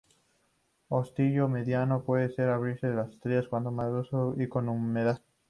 Ostiolo mediano que suele abrirse en estrella cuando maduro y con humedad.